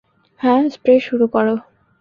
হ্যাঁ, স্প্রে শুরু করো।